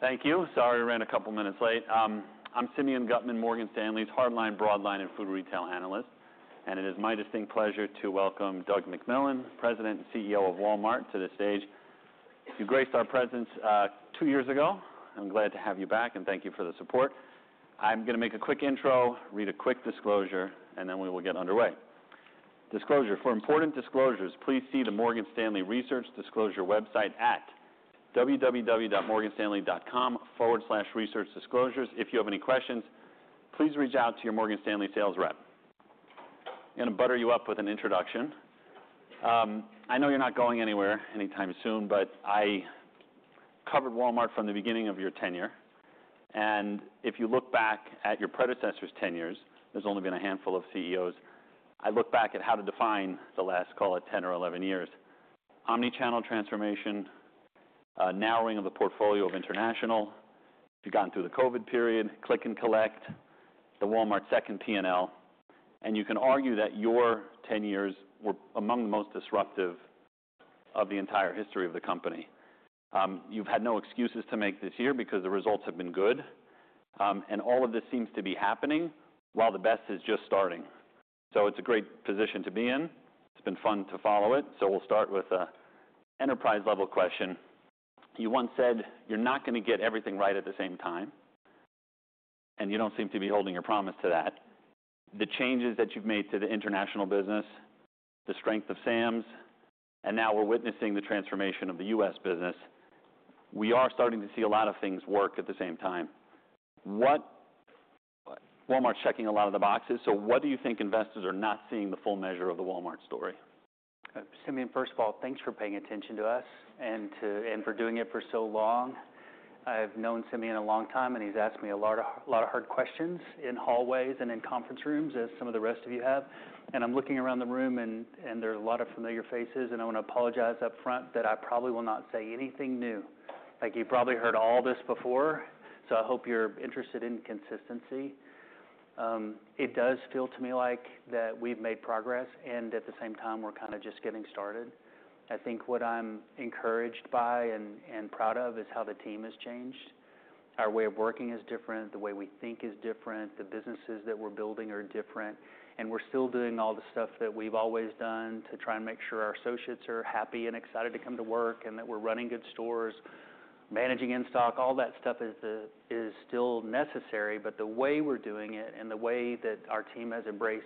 Thank you. Sorry we ran a couple minutes late. I'm Simeon Gutman, Morgan Stanley's hardline, broadline, and food retail analyst, and it is my distinct pleasure to welcome Doug McMillon, President and CEO of Walmart, to the stage. You graced our presence two years ago. I'm glad to have you back, and thank you for the support. I'm gonna make a quick intro, read a quick disclosure, and then we will get underway. Disclosure: For important disclosures, please see the Morgan Stanley Research Disclosure website at www.morganstanley.com/researchdisclosures. If you have any questions, please reach out to your Morgan Stanley sales rep. Gonna butter you up with an introduction. I know you're not going anywhere anytime soon, but I covered Walmart from the beginning of your tenure, and if you look back at your predecessors' tenures, there's only been a handful of CEOs. I look back at how to define the last, call it, 10 or 11 years: omnichannel transformation, narrowing of the portfolio of international, you've gotten through the COVID period, click and collect, the Walmart second P&L, and you can argue that your tenures were among the most disruptive of the entire history of the company. You've had no excuses to make this year because the results have been good, and all of this seems to be happening while the best is just starting. So it's a great position to be in. It's been fun to follow it. So we'll start with an enterprise-level question. You once said you're not gonna get everything right at the same time, and you don't seem to be holding your promise to that. The changes that you've made to the international business, the strength of Sam's, and now we're witnessing the transformation of the U.S. business, we are starting to see a lot of things work at the same time. What? Walmart's checking a lot of the boxes, so what do you think investors are not seeing the full measure of the Walmart story? Simeon, first of all, thanks for paying attention to us and for doing it for so long. I've known Simeon a long time, and he's asked me a lot of hard questions in hallways and in conference rooms, as some of the rest of you have, and I'm looking around the room, and there are a lot of familiar faces, and I wanna apologize upfront that I probably will not say anything new. Like, you've probably heard all this before, so I hope you're interested in consistency. It does feel to me like that we've made progress, and at the same time, we're kinda just getting started. I think what I'm encouraged by and proud of is how the team has changed. Our way of working is different, the way we think is different, the businesses that we're building are different, and we're still doing all the stuff that we've always done to try and make sure our associates are happy and excited to come to work and that we're running good stores, managing in stock. All that stuff is still necessary, but the way we're doing it and the way that our team has embraced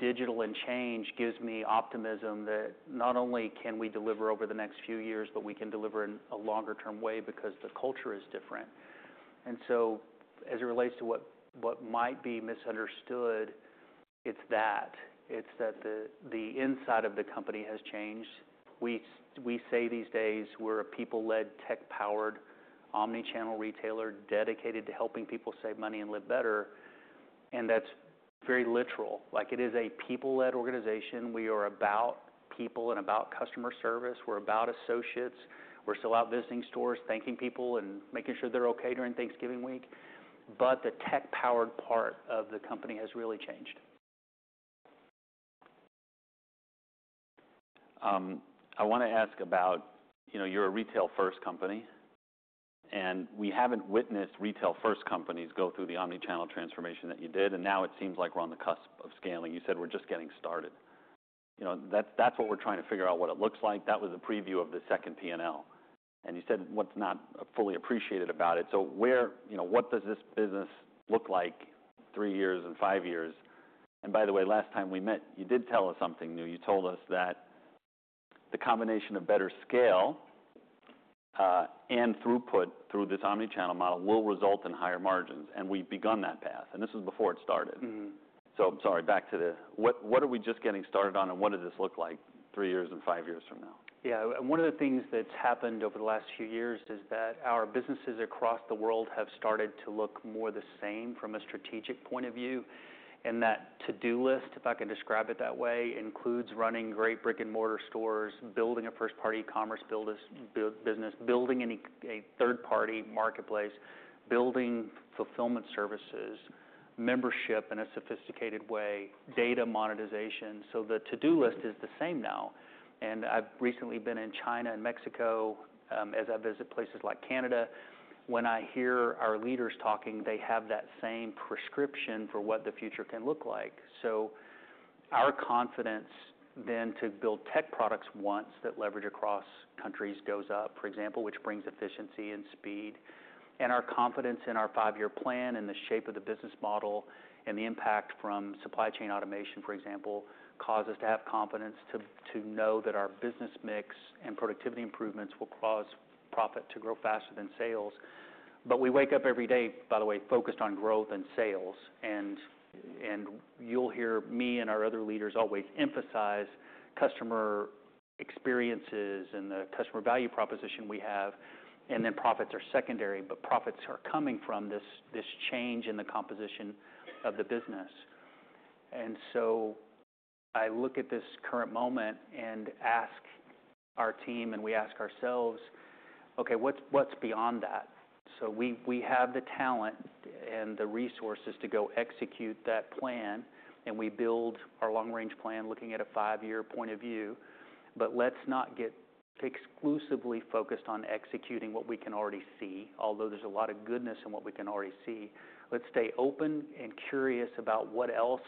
digital and change gives me optimism that not only can we deliver over the next few years, but we can deliver in a longer-term way because the culture is different. And so as it relates to what might be misunderstood, it's that. It's that the inside of the company has changed. We say these days we're a people-led, tech-powered, omnichannel retailer dedicated to helping people save money and live better, and that's very literal. Like, it is a people-led organization. We are about people and about customer service. We're about associates. We're still out visiting stores, thanking people, and making sure they're okay during Thanksgiving week. But the tech-powered part of the company has really changed. I wanna ask about, you know, you're a retail-first company, and we haven't witnessed retail-first companies go through the omnichannel transformation that you did, and now it seems like we're on the cusp of scaling. You said, "We're just getting started." You know, that's—that's what we're trying to figure out what it looks like. That was the preview of the second P&L, and you said what's not fully appreciated about it. So where, you know, what does this business look like three years and five years? And by the way, last time we met, you did tell us something new. You told us that the combination of better scale, and throughput through this omnichannel model will result in higher margins, and we've begun that path. And this was before it started. Mm-hmm. I'm sorry, back to the—what are we just getting started on, and what does this look like three years and five years from now? Yeah. And one of the things that's happened over the last few years is that our businesses across the world have started to look more the same from a strategic point of view, and that to-do list, if I can describe it that way, includes running great brick-and-mortar stores, building a first-party e-commerce business, building any third-party marketplace, building fulfillment services, membership in a sophisticated way, data monetization. So the to-do list is the same now. And I've recently been in China and Mexico, as I visit places like Canada. When I hear our leaders talking, they have that same prescription for what the future can look like. So our confidence then to build tech products once that leverage across countries goes up, for example, which brings efficiency and speed. And our confidence in our five-year plan and the shape of the business model and the impact from supply chain automation, for example, cause us to have confidence to know that our business mix and productivity improvements will cause profit to grow faster than sales. But we wake up every day, by the way, focused on growth and sales, and you'll hear me and our other leaders always emphasize customer experiences and the customer value proposition we have, and then profits are secondary, but profits are coming from this change in the composition of the business. I look at this current moment and ask our team, and we ask ourselves, "Okay, what's beyond that?" We have the talent and the resources to go execute that plan, and we build our long-range plan looking at a five-year point of view, but let's not get exclusively focused on executing what we can already see, although there's a lot of goodness in what we can already see. Let's stay open and curious about what else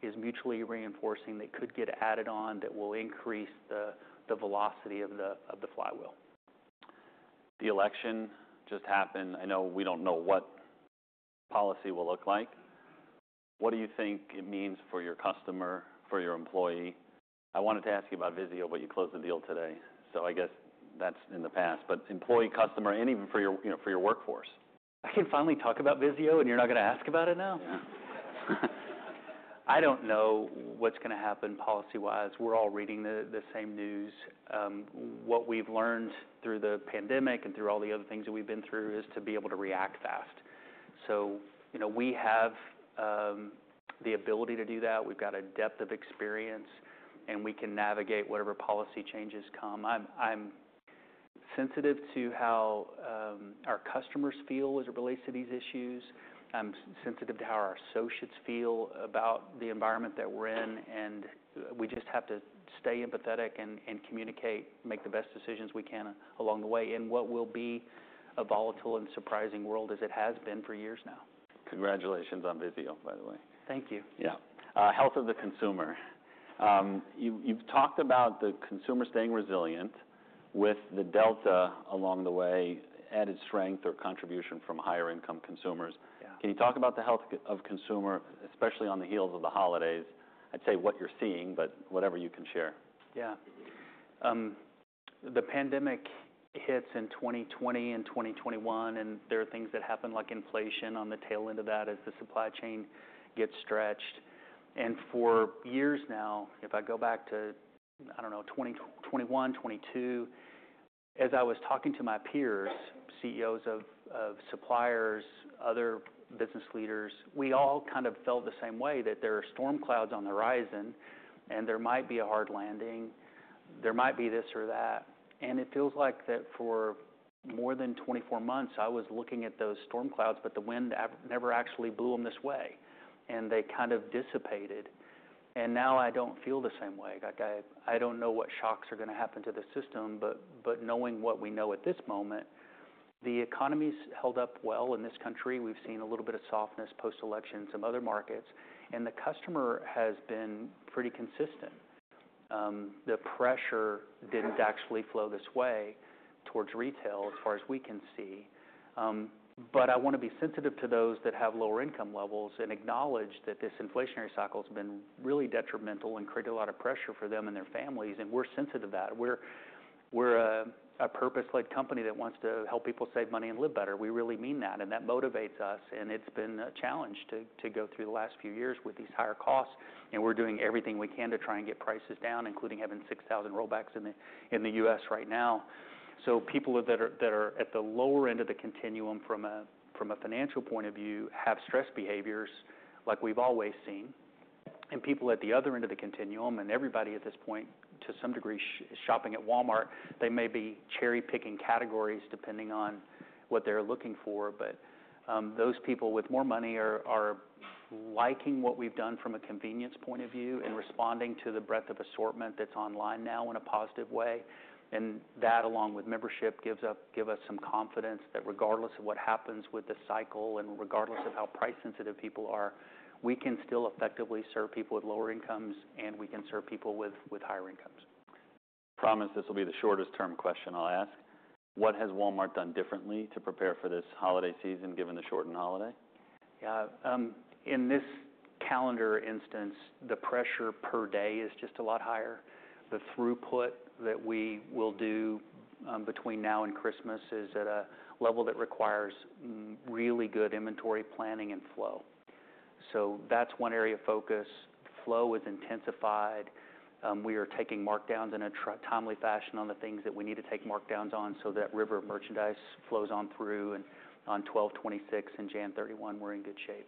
is mutually reinforcing that could get added on that will increase the velocity of the flywheel. The election just happened. I know we don't know what policy will look like. What do you think it means for your customer, for your employee? I wanted to ask you about Vizio, but you closed the deal today, so I guess that's in the past. But employee, customer, and even for your - you know, for your workforce, I can finally talk about Vizio, and you're not gonna ask about it now? Yeah. I don't know what's gonna happen policy-wise. We're all reading the same news. What we've learned through the pandemic and through all the other things that we've been through is to be able to react fast. So, you know, we have the ability to do that. We've got a depth of experience, and we can navigate whatever policy changes come. I'm sensitive to how our customers feel as it relates to these issues. I'm sensitive to how our associates feel about the environment that we're in, and we just have to stay empathetic and communicate, make the best decisions we can along the way in what will be a volatile and surprising world as it has been for years now. Congratulations on Vizio, by the way. Thank you. Yeah. Health of the consumer. You've talked about the consumer staying resilient with the delta along the way, added strength or contribution from higher-income consumers. Yeah. Can you talk about the health of consumer, especially on the heels of the holidays? I'd say what you're seeing, but whatever you can share. Yeah. The pandemic hits in 2020 and 2021, and there are things that happen, like inflation on the tail end of that as the supply chain gets stretched. And for years now, if I go back to, I don't know, 2021, 2022, as I was talking to my peers, CEOs of suppliers, other business leaders, we all kind of felt the same way, that there are storm clouds on the horizon, and there might be a hard landing, there might be this or that. And it feels like that for more than 24 months, I was looking at those storm clouds, but the wind never actually blew them this way, and they kind of dissipated. And now I don't feel the same way. Like, I don't know what shocks are gonna happen to the system, but knowing what we know at this moment, the economy's held up well in this country. We've seen a little bit of softness post-election in some other markets, and the customer has been pretty consistent. The pressure didn't actually flow this way towards retail, as far as we can see, but I wanna be sensitive to those that have lower income levels and acknowledge that this inflationary cycle's been really detrimental and created a lot of pressure for them and their families, and we're sensitive to that. We're a purpose-led company that wants to help people save money and live better. We really mean that, and that motivates us, and it's been a challenge to go through the last few years with these higher costs, and we're doing everything we can to try and get prices down, including having 6,000 rollbacks in the U.S. right now, so people that are at the lower end of the continuum from a financial point of view have stress behaviors like we've always seen, and people at the other end of the continuum, and everybody at this point, to some degree, shopping at Walmart, they may be cherry-picking categories depending on what they're looking for, but those people with more money are liking what we've done from a convenience point of view and responding to the breadth of assortment that's online now in a positive way. That, along with membership, gives us some confidence that regardless of what happens with the cycle and regardless of how price-sensitive people are, we can still effectively serve people with lower incomes, and we can serve people with higher incomes. I promise this will be the shortest-term question I'll ask. What has Walmart done differently to prepare for this holiday season, given the shortened holiday? Yeah. In this calendar instance, the pressure per day is just a lot higher. The throughput that we will do, between now and Christmas is at a level that requires really good inventory planning and flow. So that's one area of focus. Flow has intensified. We are taking markdowns in a timely fashion on the things that we need to take markdowns on so that regular merchandise flows on through, and on 12/26 and January 31, we're in good shape.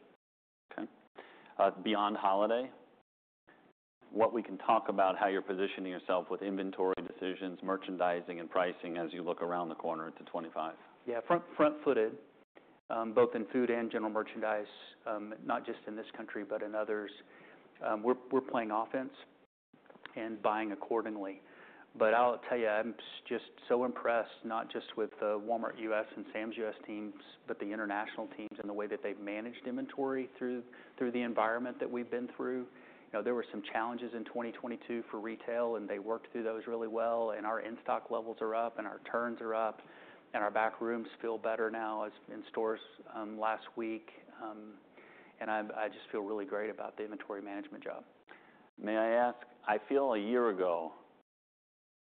Okay. Beyond holiday, what we can talk about how you're positioning yourself with inventory decisions, merchandising, and pricing as you look around the corner into 2025? Yeah. Front-footed, both in food and general merchandise, not just in this country but in others. We're playing offense and buying accordingly. But I'll tell you, I'm just so impressed, not just with the Walmart U.S. and Sam's U.S. teams, but the international teams and the way that they've managed inventory through the environment that we've been through. You know, there were some challenges in 2022 for retail, and they worked through those really well, and our in-stock levels are up, and our turns are up, and our back rooms feel better now as in stores last week, and I just feel really great about the inventory management job. May I ask? I feel a year ago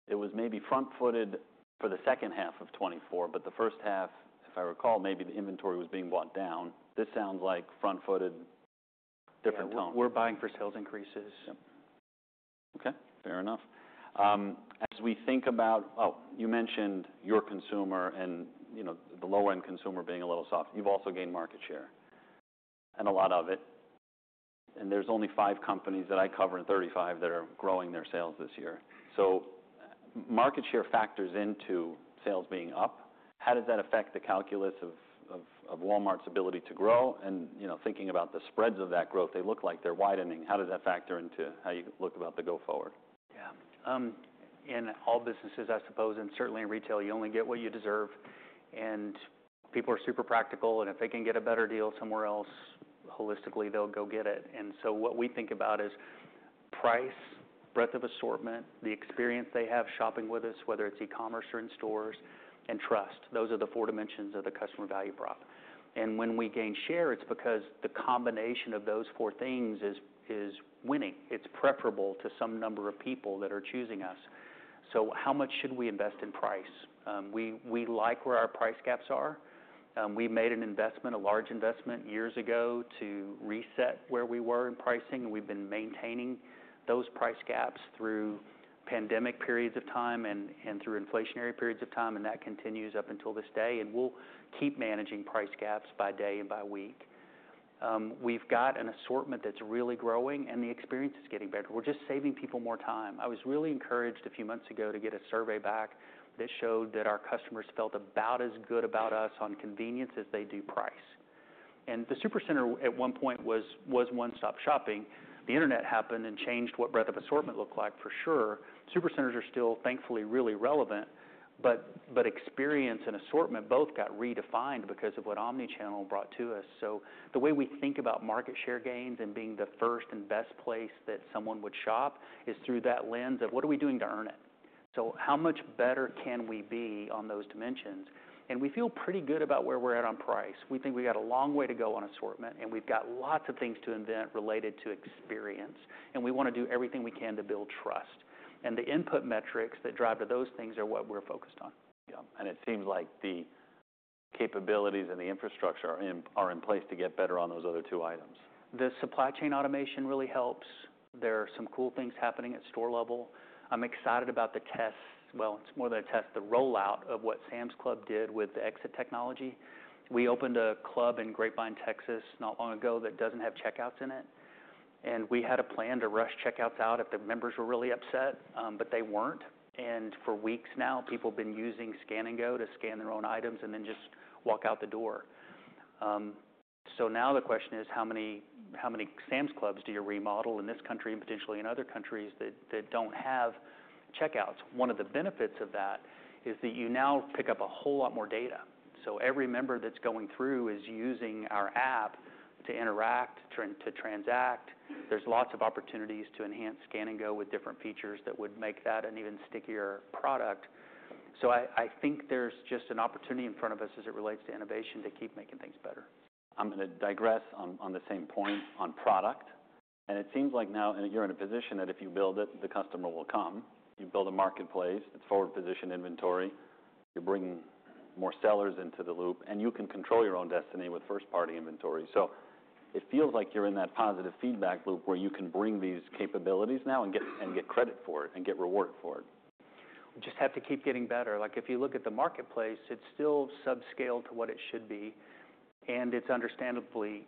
it was maybe front-footed for the second half of 2024, but the first half, if I recall, maybe the inventory was being bought down. This sounds like front-footed different tone. We're buying for sales increases. Yep. Okay. Fair enough. As we think about, oh, you mentioned your consumer and, you know, the lower-end consumer being a little soft. You've also gained market share, and a lot of it. And there's only five companies that I cover in '35 that are growing their sales this year. So market share factors into sales being up. How does that affect the calculus of Walmart's ability to grow? And, you know, thinking about the spreads of that growth, they look like they're widening. How does that factor into how you look about the go-forward? Yeah. In all businesses, I suppose, and certainly in retail, you only get what you deserve, and people are super practical, and if they can get a better deal somewhere else, holistically, they'll go get it, and so what we think about is price, breadth of assortment, the experience they have shopping with us, whether it's e-commerce or in stores, and trust. Those are the four dimensions of the customer value prop, and when we gain share, it's because the combination of those four things is winning. It's preferable to some number of people that are choosing us, so how much should we invest in price? We like where our price gaps are. We made an investment, a large investment, years ago to reset where we were in pricing, and we've been maintaining those price gaps through pandemic periods of time and through inflationary periods of time, and that continues up until this day, and we'll keep managing price gaps by day and by week. We've got an assortment that's really growing, and the experience is getting better. We're just saving people more time. I was really encouraged a few months ago to get a survey back that showed that our customers felt about as good about us on convenience as they do price. The Supercenter at one point was one-stop shopping. The internet happened and changed what breadth of assortment looked like, for sure. Supercenters are still, thankfully, really relevant, but experience and assortment both got redefined because of what omnichannel brought to us. So the way we think about market share gains and being the first and best place that someone would shop is through that lens of, "What are we doing to earn it?" So how much better can we be on those dimensions? And we feel pretty good about where we're at on price. We think we got a long way to go on assortment, and we've got lots of things to invent related to experience, and we wanna do everything we can to build trust. And the input metrics that drive to those things are what we're focused on. Yeah. And it seems like the capabilities and the infrastructure are in place to get better on those other two items. The supply chain automation really helps. There are some cool things happening at store level. I'm excited about the test, well, it's more than a test, the rollout of what Sam's Club did with the Exit Technology. We opened a club in Grapevine, Texas, not long ago that doesn't have checkouts in it, and we had a plan to rush checkouts out if the members were really upset, but they weren't, and for weeks now, people have been using Scan & Go to scan their own items and then just walk out the door, so now the question is, how many, how many Sam's Clubs do you remodel in this country and potentially in other countries that, that don't have checkouts? One of the benefits of that is that you now pick up a whole lot more data, so every member that's going through is using our app to interact, to, to transact. There's lots of opportunities to enhance Scan & Go with different features that would make that an even stickier product. So I think there's just an opportunity in front of us as it relates to innovation to keep making things better. I'm gonna digress on the same point on product, and it seems like now you're in a position that if you build it, the customer will come. You build a marketplace that's forward-positioned inventory. You're bringing more sellers into the loop, and you can control your own destiny with first-party inventory. So it feels like you're in that positive feedback loop where you can bring these capabilities now and get credit for it and get reward for it. We just have to keep getting better. Like, if you look at the marketplace, it's still subscaled to what it should be, and it's understandably,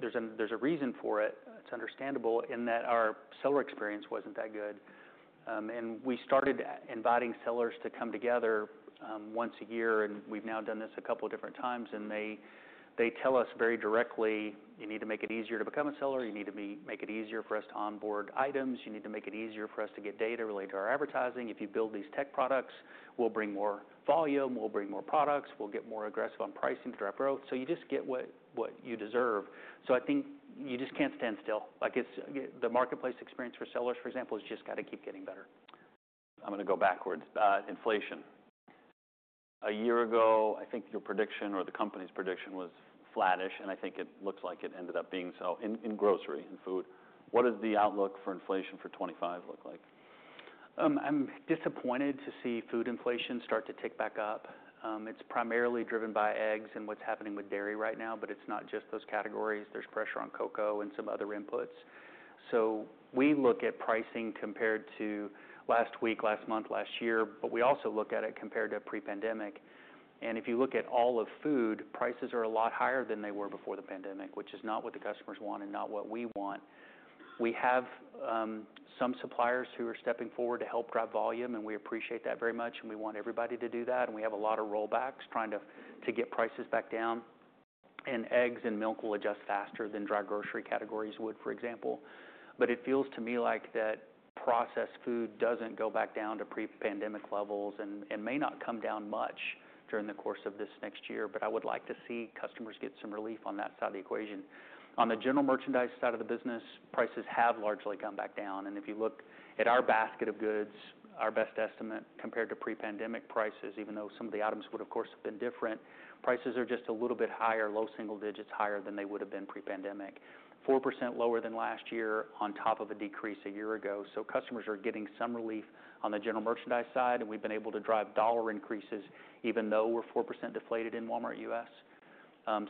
there's a reason for it. It's understandable in that our seller experience wasn't that good. And we started inviting sellers to come together, once a year, and we've now done this a couple of different times, and they tell us very directly, "You need to make it easier to become a seller. You need to make it easier for us to onboard items. You need to make it easier for us to get data related to our advertising. If you build these tech products, we'll bring more volume. We'll bring more products. We'll get more aggressive on pricing to drive growth." So you just get what you deserve. So I think you just can't stand still. Like, it's the marketplace experience for sellers, for example, has just gotta keep getting better. I'm gonna go backwards. Inflation. A year ago, I think your prediction or the company's prediction was flattish, and I think it looks like it ended up being so in grocery and food. What does the outlook for inflation for 2025 look like? I'm disappointed to see food inflation start to tick back up. It's primarily driven by eggs and what's happening with dairy right now, but it's not just those categories. There's pressure on cocoa and some other inputs, so we look at pricing compared to last week, last month, last year, but we also look at it compared to pre-pandemic, and if you look at all of food, prices are a lot higher than they were before the pandemic, which is not what the customers want and not what we want. We have some suppliers who are stepping forward to help drive volume, and we appreciate that very much, and we want everybody to do that, and we have a lot of rollbacks trying to get prices back down, and eggs and milk will adjust faster than dry grocery categories would, for example. But it feels to me like that processed food doesn't go back down to pre-pandemic levels and may not come down much during the course of this next year, but I would like to see customers get some relief on that side of the equation. On the general merchandise side of the business, prices have largely gone back down. And if you look at our basket of goods, our best estimate compared to pre-pandemic prices, even though some of the items would, of course, have been different, prices are just a little bit higher, low single digits higher than they would have been pre-pandemic, 4% lower than last year on top of a decrease a year ago. So customers are getting some relief on the general merchandise side, and we've been able to drive dollar increases even though we're 4% deflated in Walmart U.S.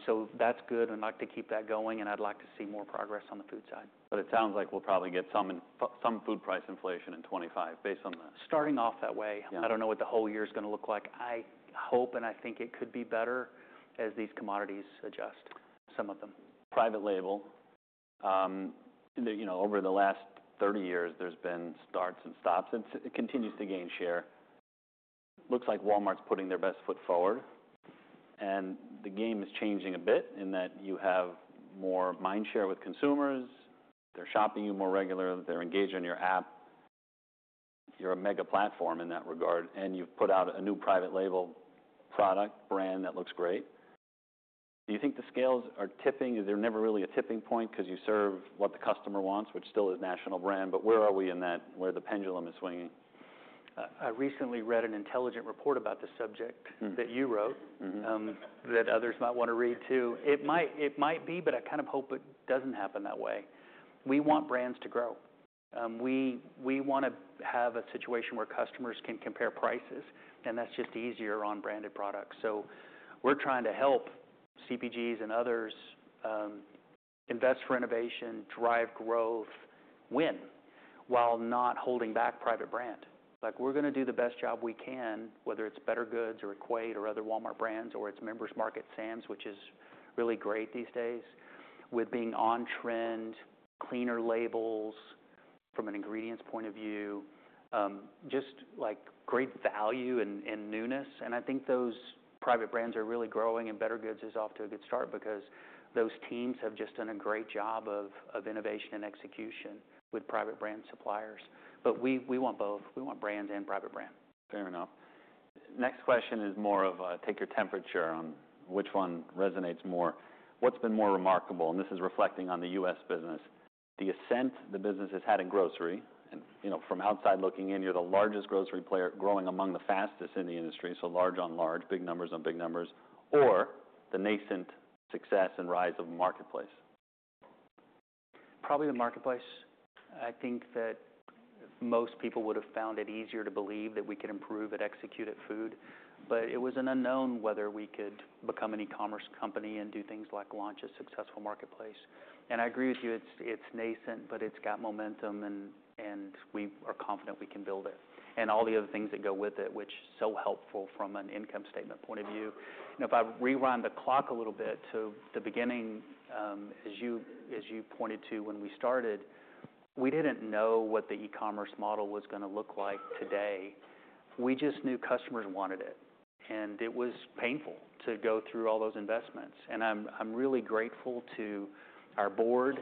So that's good, and I'd like to keep that going, and I'd like to see more progress on the food side. It sounds like we'll probably get some food price inflation in 2025 based on the. Starting off that way. Yeah. I don't know what the whole year's gonna look like. I hope and I think it could be better as these commodities adjust, some of them. Private label, you know, over the last 30 years, there's been starts and stops, and it continues to gain share. Looks like Walmart's putting their best foot forward, and the game is changing a bit in that you have more mind share with consumers. They're shopping you more regularly. They're engaged on your app. You're a mega platform in that regard, and you've put out a new private label product brand that looks great. Do you think the scales are tipping? Is there never really a tipping point 'cause you serve what the customer wants, which still is national brand, but where are we in that where the pendulum is swinging? I recently read an intelligent report about the subject. Mm-hmm. That you wrote. Mm-hmm. That others might wanna read too. It might be, but I kind of hope it doesn't happen that way. We want brands to grow. We wanna have a situation where customers can compare prices, and that's just easier on branded products. So we're trying to help CPGs and others invest for innovation, drive growth, win while not holding back private brand. Like, we're gonna do the best job we can, whether it's Better Goods or Equate or other Walmart brands or its Member's Mark, Sam's, which is really great these days, with being on-trend, cleaner labels from an ingredients point of view, just like Great Value and newness. And I think those private brands are really growing, and Better Goods is off to a good start because those teams have just done a great job of innovation and execution with private brand suppliers. But we want both. We want brands and private brand. Fair enough. Next question is more of a take your temperature on which one resonates more. What's been more remarkable? And this is reflecting on the U.S. business. The ascent the business has had in grocery and, you know, from outside looking in, you're the largest grocery player growing among the fastest in the industry, so large on large, big numbers on big numbers, or the nascent success and rise of the marketplace? Probably the marketplace. I think that most people would have found it easier to believe that we could improve execution at food, but it was an unknown whether we could become an e-commerce company and do things like launch a successful marketplace, and I agree with you. It's nascent, but it's got momentum, and we are confident we can build it and all the other things that go with it, which is so helpful from an income statement point of view, and if I rewind the clock a little bit to the beginning, as you pointed to when we started, we didn't know what the e-commerce model was gonna look like today. We just knew customers wanted it, and it was painful to go through all those investments, and I'm really grateful to our board,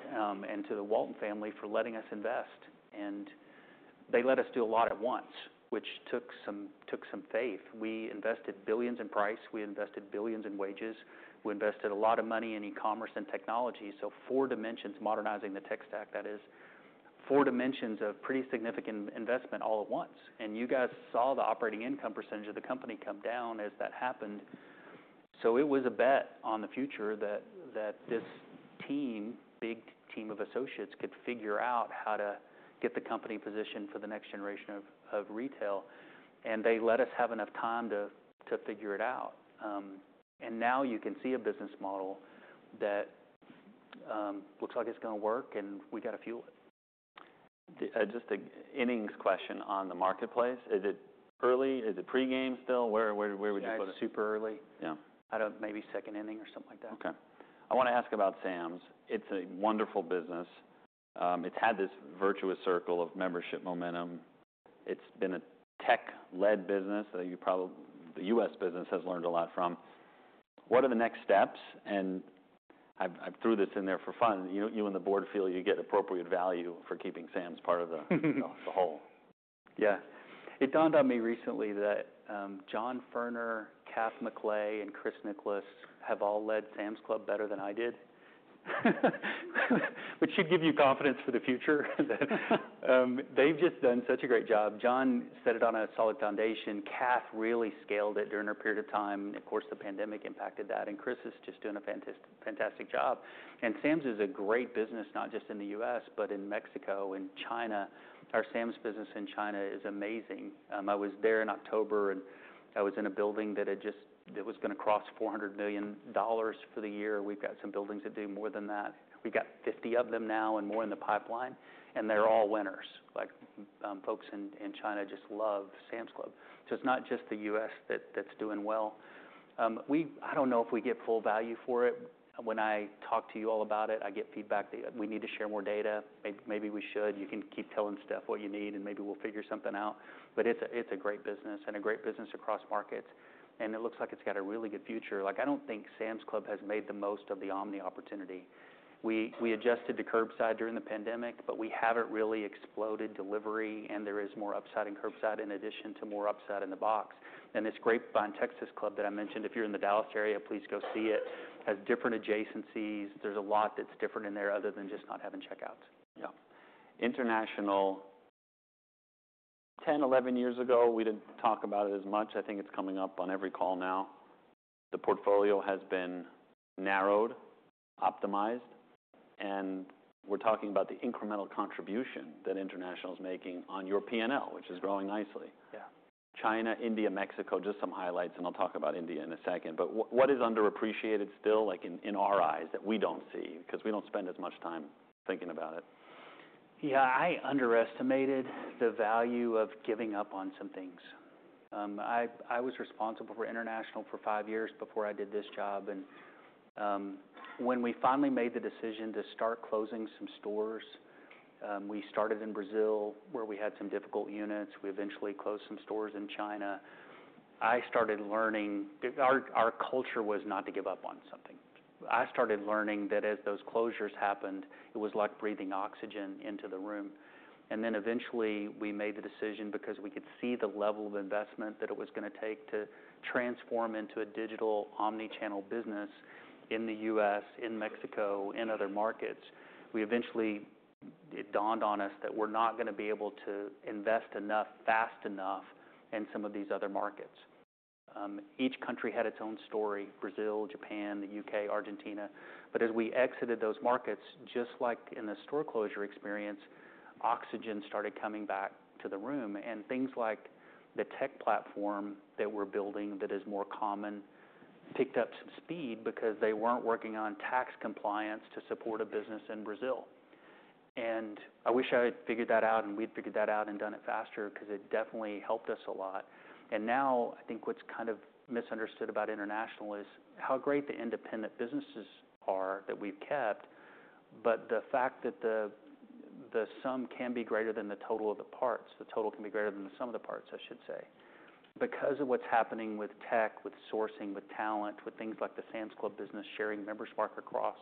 and to the Walton family for letting us invest. And they let us do a lot at once, which took some faith. We invested billions in price. We invested billions in wages. We invested a lot of money in e-commerce and technology. So four dimensions modernizing the tech stack, that is, four dimensions of pretty significant investment all at once. And you guys saw the operating income percentage of the company come down as that happened. So it was a bet on the future that this team, big team of associates, could figure out how to get the company positioned for the next generation of retail. And they let us have enough time to figure it out. And now you can see a business model that looks like it's gonna work, and we gotta fuel it. Just an innings question on the marketplace. Is it early? Is it pre-game still? Where would you put it? I'd say super early. Yeah. I don't, maybe second inning or something like that. Okay. I wanna ask about Sam's. It's a wonderful business. It's had this virtuous circle of membership momentum. It's been a tech-led business that you probably, the US business has learned a lot from. What are the next steps? And I've threw this in there for fun. You and the board feel you get appropriate value for keeping Sam's part of the whole. Yeah. It dawned on me recently that, John Furner, Kath McLay, and Chris Nicholas have all led Sam's Club better than I did, which should give you confidence for the future that, they've just done such a great job. John set it on a solid foundation. Kath really scaled it during her period of time. Of course, the pandemic impacted that, and Chris is just doing a fantastic, fantastic job. And Sam's is a great business, not just in the U.S., but in Mexico and China. Our Sam's business in China is amazing. I was there in October, and I was in a building that was gonna cross $400 million for the year. We've got some buildings that do more than that. We've got 50 of them now and more in the pipeline, and they're all winners. Like, folks in China just love Sam's Club. So it's not just the U.S. that's doing well. I don't know if we get full value for it. When I talk to you all about it, I get feedback that we need to share more data. Maybe we should. You can keep telling Steph what you need, and maybe we'll figure something out. But it's a great business and a great business across markets, and it looks like it's got a really good future. Like, I don't think Sam's Club has made the most of the omni opportunity. We adjusted to curbside during the pandemic, but we haven't really exploded delivery, and there is more upside in curbside in addition to more upside in the box. And this Grapevine, Texas club that I mentioned, if you're in the Dallas area, please go see it. It has different adjacencies. There's a lot that's different in there other than just not having checkouts. Yeah. International, 10, 11 years ago, we didn't talk about it as much. I think it's coming up on every call now. The portfolio has been narrowed, optimized, and we're talking about the incremental contribution that International's making on your P&L, which is growing nicely. Yeah. China, India, Mexico, just some highlights, and I'll talk about India in a second. But what is underappreciated still, like, in our eyes that we don't see 'cause we don't spend as much time thinking about it? Yeah. I underestimated the value of giving up on some things. I was responsible for International for five years before I did this job. And, when we finally made the decision to start closing some stores, we started in Brazil where we had some difficult units. We eventually closed some stores in China. I started learning our culture was not to give up on something. I started learning that as those closures happened, it was like breathing oxygen into the room. And then eventually, we made the decision because we could see the level of investment that it was gonna take to transform into a digital omnichannel business in the U.S., in Mexico, in other markets. We eventually, it dawned on us that we're not gonna be able to invest enough, fast enough, in some of these other markets. Each country had its own story: Brazil, Japan, the U.K., Argentina. But as we exited those markets, just like in the store closure experience, oxygen started coming back to the room. And things like the tech platform that we're building that is more common picked up some speed because they weren't working on tax compliance to support a business in Brazil. And I wish I had figured that out, and we'd figured that out and done it faster 'cause it definitely helped us a lot. And now I think what's kind of misunderstood about International is how great the independent businesses are that we've kept, but the fact that the sum can be greater than the total of the parts. The total can be greater than the sum of the parts, I should say. Because of what's happening with tech, with sourcing, with talent, with things like the Sam's Club business sharing Member's Mark across,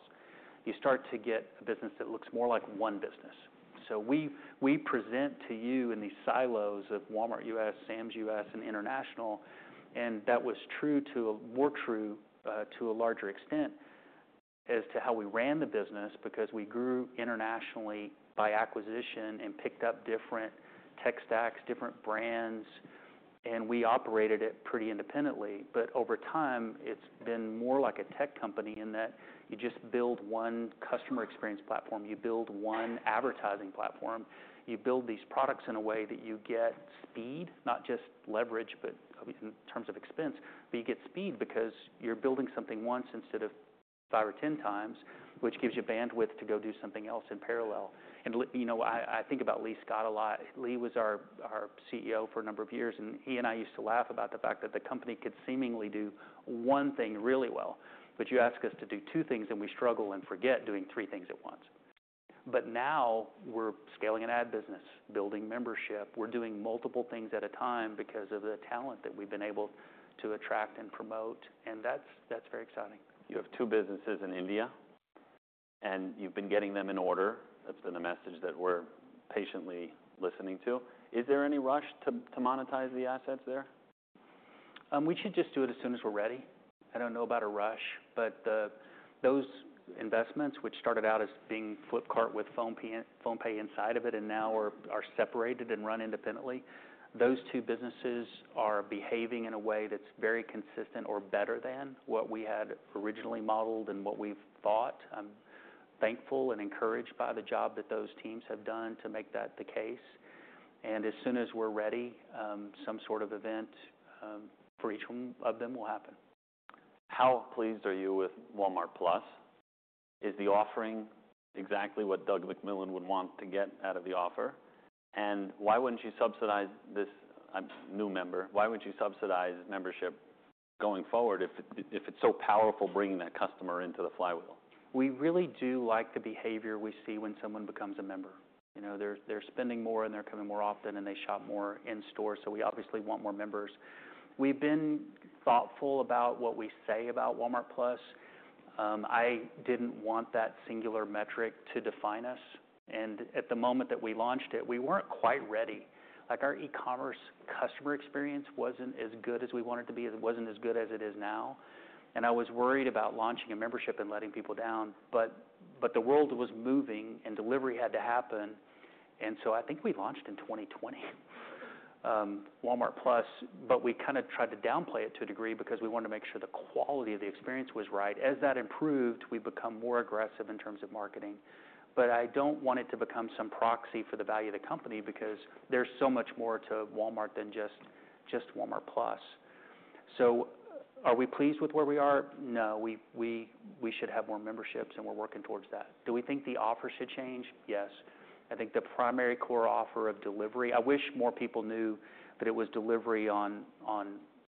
you start to get a business that looks more like one business. So we present to you in these silos of Walmart U.S., Sam's U.S., and International, and that was true to a larger extent as to how we ran the business because we grew internationally by acquisition and picked up different tech stacks, different brands, and we operated it pretty independently. But over time, it's been more like a tech company in that you just build one customer experience platform. You build one advertising platform. You build these products in a way that you get speed, not just leverage, but in terms of expense, but you get speed because you're building something once instead of five or 10 times, which gives you bandwidth to go do something else in parallel. You know, I think about Lee Scott a lot. Lee was our CEO for a number of years, and he and I used to laugh about the fact that the company could seemingly do one thing really well, but you ask us to do two things, and we struggle and forget doing three things at once. But now we're scaling an ad business, building membership. We're doing multiple things at a time because of the talent that we've been able to attract and promote, and that's very exciting. You have two businesses in India, and you've been getting them in order. That's been a message that we're patiently listening to. Is there any rush to monetize the assets there? We should just do it as soon as we're ready. I don't know about a rush, but those investments, which started out as being Flipkart with PhonePe inside of it and now are separated and run independently, those two businesses are behaving in a way that's very consistent or better than what we had originally modeled and what we've thought. I'm thankful and encouraged by the job that those teams have done to make that the case. And as soon as we're ready, some sort of event for each one of them will happen. How pleased are you with Walmart+? Is the offering exactly what Doug McMillon would want to get out of the offer? And why wouldn't you subsidize this new member? Why wouldn't you subsidize membership going forward if it's so powerful bringing that customer into the flywheel? We really do like the behavior we see when someone becomes a member. You know, they're spending more, and they're coming more often, and they shop more in store, so we obviously want more members. We've been thoughtful about what we say about Walmart+. I didn't want that singular metric to define us, and at the moment that we launched it, we weren't quite ready. Like, our e-commerce customer experience wasn't as good as we want it to be. It wasn't as good as it is now, and I was worried about launching a membership and letting people down, but the world was moving, and delivery had to happen, and so I think we launched in 2020, Walmart+, but we kind of tried to downplay it to a degree because we wanted to make sure the quality of the experience was right. As that improved, we've become more aggressive in terms of marketing. But I don't want it to become some proxy for the value of the company because there's so much more to Walmart than just Walmart+. So are we pleased with where we are? No. We should have more memberships, and we're working towards that. Do we think the offer should change? Yes. I think the primary core offer of delivery. I wish more people knew that it was delivery on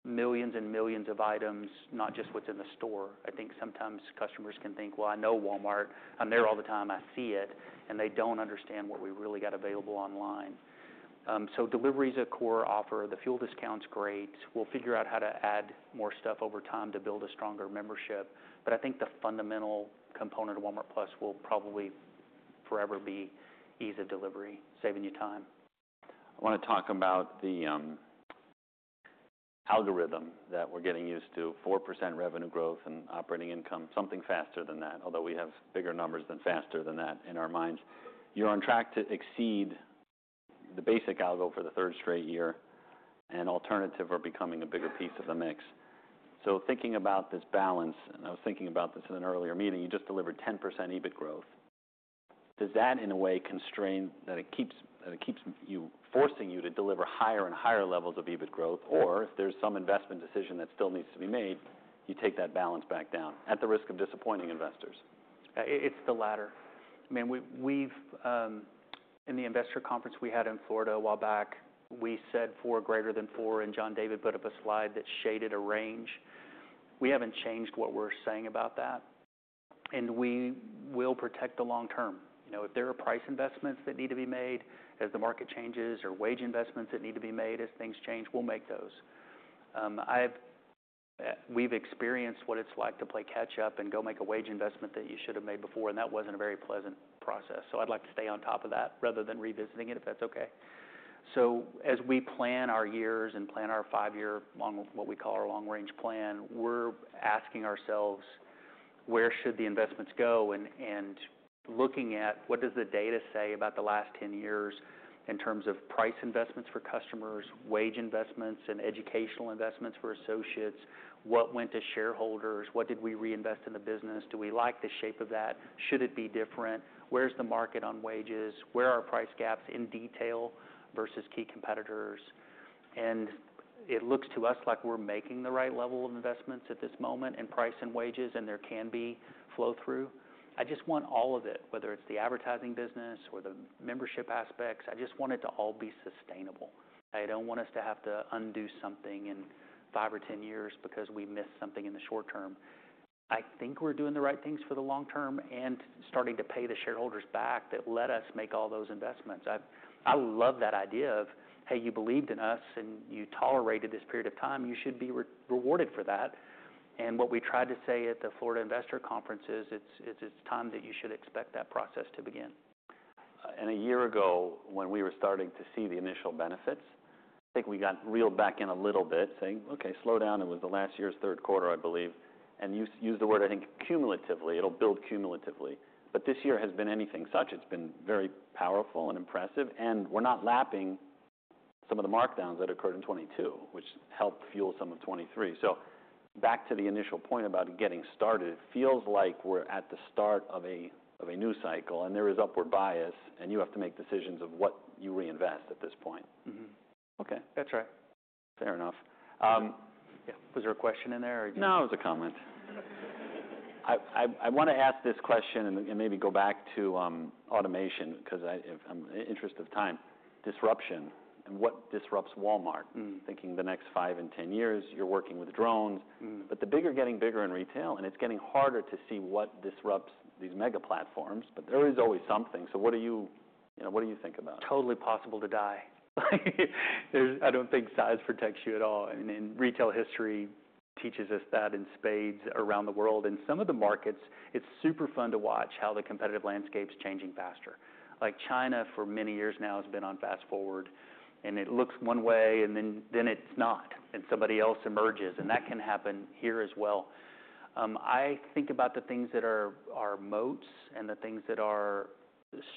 millions and millions of items, not just what's in the store. I think sometimes customers can think, "Well, I know Walmart. I'm there all the time. I see it." And they don't understand what we really got available online. So delivery's a core offer. The fuel discount's great. We'll figure out how to add more stuff over time to build a stronger membership. I think the fundamental component of Walmart+ will probably forever be ease of delivery, saving you time. I wanna talk about the algorithm that we're getting used to: 4% revenue growth and operating income, something faster than that, although we have bigger numbers than faster than that in our minds. You're on track to exceed the basic algo for the third straight year, and alternatives are becoming a bigger piece of the mix. So thinking about this balance, and I was thinking about this in an earlier meeting, you just delivered 10% EBIT growth. Does that, in a way, constrain that it keeps forcing you to deliver higher and higher levels of EBIT growth? Or if there's some investment decision that still needs to be made, you take that balance back down at the risk of disappointing investors? It's the latter. I mean, we've, in the investor conference we had in Florida a while back, we said four greater than four, and John David put up a slide that shaded a range. We haven't changed what we're saying about that, and we will protect the long term. You know, if there are price investments that need to be made as the market changes or wage investments that need to be made as things change, we'll make those. We've experienced what it's like to play catch-up and go make a wage investment that you should have made before, and that wasn't a very pleasant process. So I'd like to stay on top of that rather than revisiting it, if that's okay. So as we plan our years and plan our five-year long—what we call our long-range plan, we're asking ourselves, "Where should the investments go?" And looking at what does the data say about the last 10 years in terms of price investments for customers, wage investments, and educational investments for associates? What went to shareholders? What did we reinvest in the business? Do we like the shape of that? Should it be different? Where's the market on wages? Where are price gaps in detail versus key competitors? And it looks to us like we're making the right level of investments at this moment in price and wages, and there can be flow-through. I just want all of it, whether it's the advertising business or the membership aspects. I just want it to all be sustainable. I don't want us to have to undo something in five or 10 years because we missed something in the short term. I think we're doing the right things for the long term and starting to pay the shareholders back that let us make all those investments. I love that idea of, "Hey, you believed in us, and you tolerated this period of time. You should be rewarded for that." And what we tried to say at the Florida Investor Conference is it's time that you should expect that process to begin. And a year ago, when we were starting to see the initial benefits, I think we got reeled back in a little bit, saying, "Okay, slow down." It was last year's third quarter, I believe, and you used the word, I think, cumulatively. It'll build cumulatively. But this year has been anything but such. It's been very powerful and impressive, and we're not lapping some of the markdowns that occurred in 2022, which helped fuel some of 2023. So back to the initial point about getting started, it feels like we're at the start of a new cycle, and there is upward bias, and you have to make decisions of what you reinvest at this point. Mm-hmm. Okay. That's right. Fair enough. Yeah. Was there a question in there, or did you? No, it was a comment. I wanna ask this question and maybe go back to automation 'cause if I'm in the interest of time, disruption and what disrupts Walmart. Mm-hmm. Thinking the next five and 10 years, you're working with drones. Mm-hmm. But the big get bigger in retail, and it's getting harder to see what disrupts these mega platforms, but there is always something. So what do you-you know, what do you think about? Totally possible to die. I don't think size protects you at all. I mean, retail history teaches us that in spades around the world. In some of the markets, it's super fun to watch how the competitive landscape's changing faster. Like, China for many years now has been on fast forward, and it looks one way, and then it's not, and somebody else emerges, and that can happen here as well. I think about the things that are moats and the things that are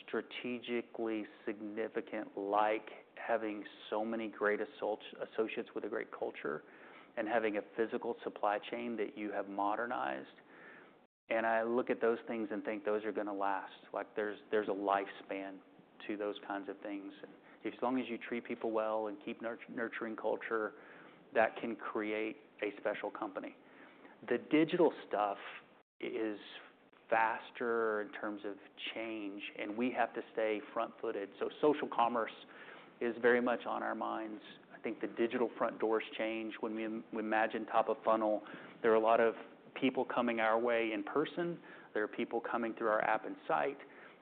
strategically significant, like having so many great associates with a great culture and having a physical supply chain that you have modernized, and I look at those things and think those are gonna last. Like, there's a lifespan to those kinds of things, and as long as you treat people well and keep nurturing culture, that can create a special company. The digital stuff is faster in terms of change, and we have to stay front-footed. Social commerce is very much on our minds. I think the digital front doors change when we imagine top of funnel. There are a lot of people coming our way in person. There are people coming through our app and site,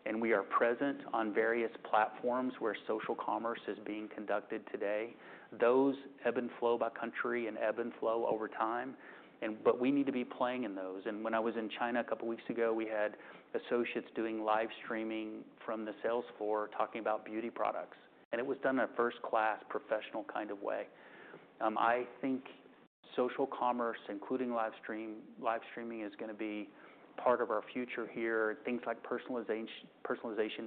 and we are present on various platforms where social commerce is being conducted today. Those ebb and flow by country and ebb and flow over time. But we need to be playing in those. And when I was in China a couple weeks ago, we had associates doing live streaming from sales floor talking about beauty products. And it was done in a first-class professional kind of way. I think social commerce, including live streaming, is gonna be part of our future here. Things like personalization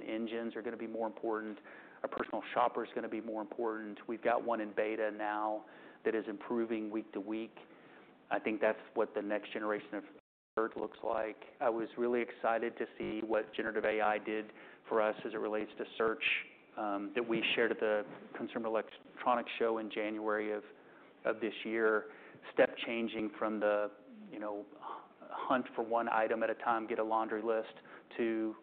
engines are gonna be more important. Our personal shopper's gonna be more important. We've got one in beta now that is improving week to week. I think that's what the next generation of BERT looks like. I was really excited to see what generative AI did for us as it relates to search, that we shared at the Consumer Electronics Show in January of this year. Step-changing from the, you know, hunt for one item at a time, get a laundry list, to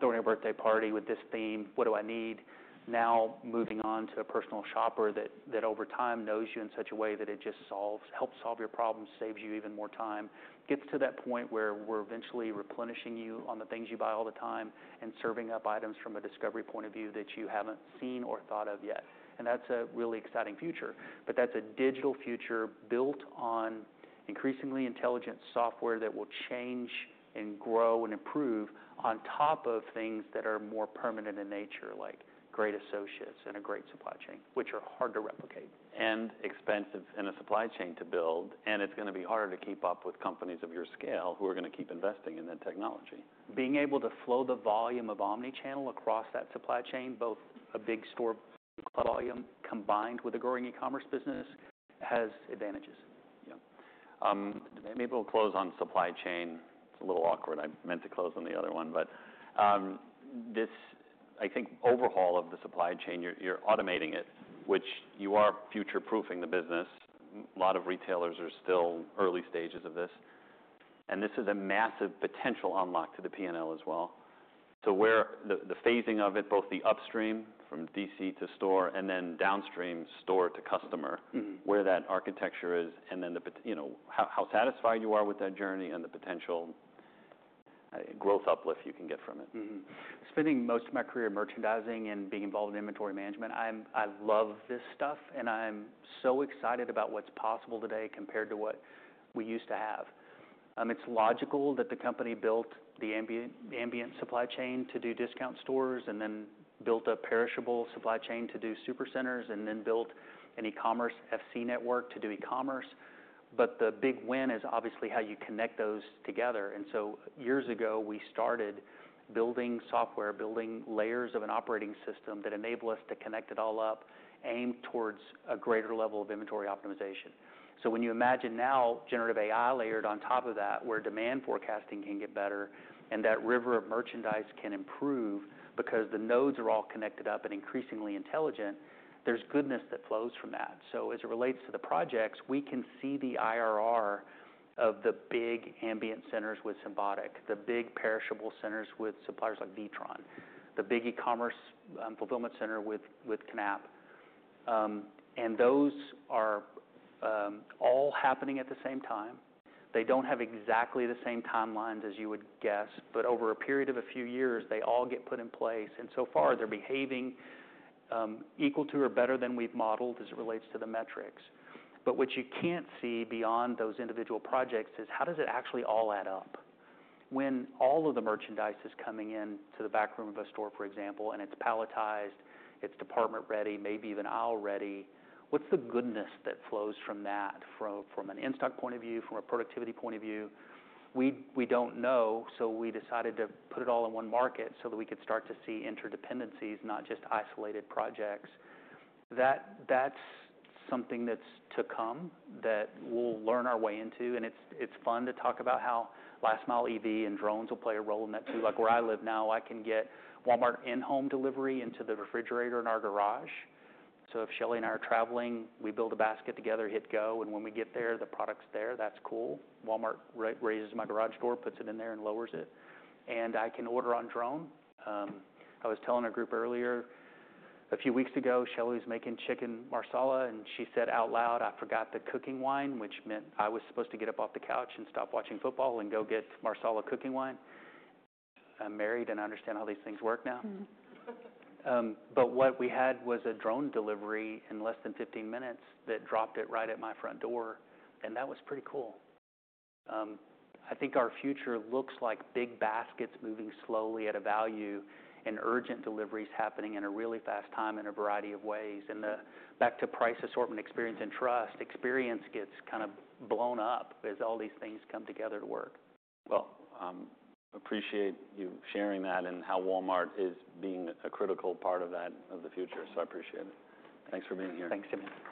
throwing a birthday party with this theme, "What do I need?" Now moving on to a personal shopper that over time knows you in such a way that it just helps solve your problems, saves you even more time, gets to that point where we're eventually replenishing you on the things you buy all the time and serving up items from a discovery point of view that you haven't seen or thought of yet. And that's a really exciting future. But that's a digital future built on increasingly intelligent software that will change and grow and improve on top of things that are more permanent in nature, like great associates and a great supply chain, which are hard to replicate. And expensive in a supply chain to build, and it's gonna be harder to keep up with companies of your scale who are gonna keep investing in that technology. Being able to flow the volume of omnichannel across that supply chain, both a big store volume combined with a growing e-commerce business, has advantages. Yeah. Maybe we'll close on supply chain. It's a little awkward. I meant to close on the other one, but this, I think overhaul of the supply chain, you're automating it, which you are future-proofing the business. A lot of retailers are still early stages of this, and this is a massive potential unlock to the P&L as well. So where the phasing of it, both the upstream from DC to store and then downstream store to customer. Mm-hmm. Where that architecture is and then, you know, how satisfied you are with that journey and the potential growth uplift you can get from it. Mm-hmm. Spending most of my career merchandising and being involved in inventory management, I'm—I love this stuff, and I'm so excited about what's possible today compared to what we used to have. It's logical that the company built the ambient supply chain to do discount stores and then built a perishable supply chain to do supercenters and then built an e-commerce FC network to do e-commerce. But the big win is obviously how you connect those together. And so years ago, we started building software, building layers of an operating system that enabled us to connect it all up, aim towards a greater level of inventory optimization. So when you imagine now generative AI layered on top of that, where demand forecasting can get better and that river of merchandise can improve because the nodes are all connected up and increasingly intelligent, there's goodness that flows from that. So as it relates to the projects, we can see the IRR of the big ambient centers with Symbotic, the big perishable centers with suppliers like WITRON, the big e-commerce fulfillment center with KNAPP. And those are all happening at the same time. They don't have exactly the same timelines as you would guess, but over a period of a few years, they all get put in place. And so far, they're behaving equal to or better than we've modeled as it relates to the metrics. But what you can't see beyond those individual projects is how does it actually all add up when all of the merchandise is coming into the back room of a store, for example, and it's palletized, it's department ready, maybe even aisle ready? What's the goodness that flows from that from an in-stock point of view, from a productivity point of view? We don't know, so we decided to put it all in one market so that we could start to see interdependencies, not just isolated projects. That's something that's to come that we'll learn our way into. And it's fun to talk about how last-mile EV and drones will play a role in that too. Like, where I live now, I can get Walmart InHome delivery into the refrigerator in our garage. So if Shelley and I are traveling, we build a basket together, hit go, and when we get there, the product's there. That's cool. Walmart raises my garage door, puts it in there, and lowers it, and I can order on drone. I was telling a group earlier. A few weeks ago, Shelley was making chicken marsala, and she said out loud, "I forgot the cooking wine," which meant I was supposed to get up off the couch and stop watching football and go get marsala cooking wine. I'm married, and I understand how these things work now. But what we had was a drone delivery in less than 15 minutes that dropped it right at my front door, and that was pretty cool. I think our future looks like big baskets moving slowly at a value and urgent deliveries happening in a really fast time in a variety of ways. And the back-to-price assortment experience and trust experience gets kind of blown up as all these things come together to work. Appreciate you sharing that and how Walmart is being a critical part of that of the future. I appreciate it. Thanks for being here. Thanks, Tim.